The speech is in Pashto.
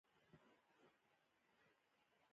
کتابچه د پرمختګ نښه ده